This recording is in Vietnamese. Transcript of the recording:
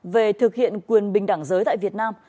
về thực hiện quyền bình đẳng giới tại việt nam